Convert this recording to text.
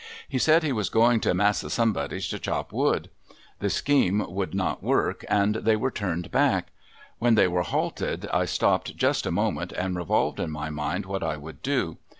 He said he was going to Massa somebody's, to chop wood. The scheme would not work and they were turned back. When they were halted I stopped just a moment and revolved in my mind what I would do.